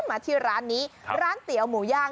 มาที่ร้านนี้ร้านเตี๋ยวหมูย่าง